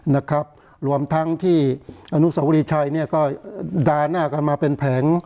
นะครับรวมทั้งที่อนุสาวรีชัยเนี่ยก็ด่าหน้ากันมาเป็นแผง